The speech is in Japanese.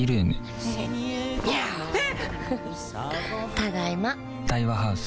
ただいま。